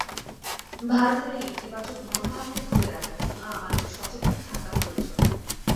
ভারতের এই ইতিবাচক মনোভাবকে ধরে রাখার জন্য আমাদের সচেতন থাকা প্রয়োজন।